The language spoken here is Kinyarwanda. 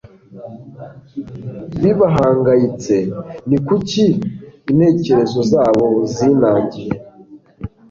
bibahangayitse, ni kuki intekerezo zabo zinangiye,